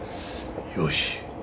よし。